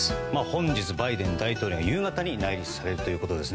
本日、バイデン大統領が夕方に来日されるということです。